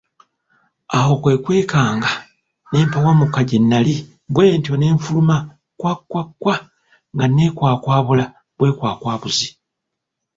Awo kwe kwekanga ne mpawumuka gye nnali bwentyo ne nfuluma kkwakkwakkwa nga nneekwakwabula bwekwakwabuzi!